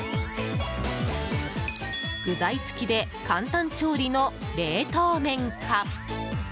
具材付きで簡単調理の冷凍麺か。